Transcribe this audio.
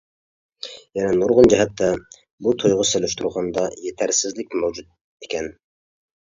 يەنە نۇرغۇن جەھەتتە بۇ تويغا سېلىشتۇرغاندا يېتەرسىزلىك مەۋجۇت ئىكەن.